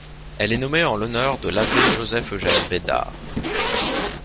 Elle est nommée en l'honneur de l'abbé Joseph-Eugène Bédard.